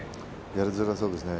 やりづらそうですね。